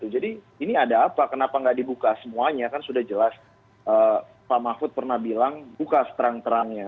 jadi ini ada apa kenapa tidak dibuka semuanya kan sudah jelas pak mahfud pernah bilang buka terang terangnya